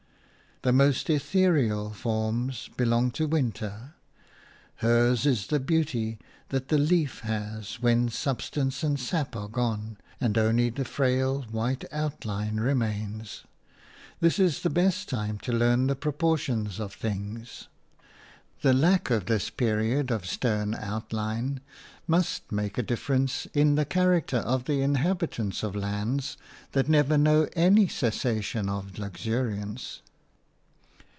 The most ethereal forms belong to winter; hers is the beauty that the leaf has when substance and sap are gone and only the frail white outline remains. This is the best time to learn the proportions of things. The lack of this period of stern outline must make a difference in the character of the inhabitants of lands that never know any cessation of luxuriance.